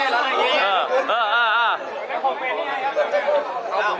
สัตว์